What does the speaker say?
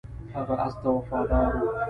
هغه اس ته وفادار و.